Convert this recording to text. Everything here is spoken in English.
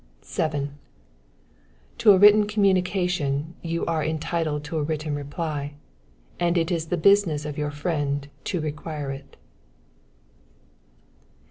7. To a written communication you are entitled to a written reply, and it is the business of your friend to require it.